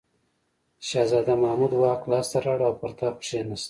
شهزاده محمود واک لاس ته راوړ او پر تخت کښېناست.